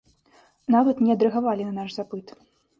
Нават не адрэагавалі на наш запыт.